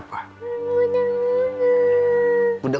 mau main kuda